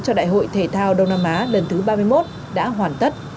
cho đại hội thể thao đông nam á lần thứ ba mươi một đã hoàn tất